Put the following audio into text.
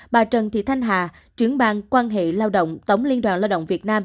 bà trần thị thanh hà trưởng bang quan hệ lao động tổng liên đoàn lao động việt nam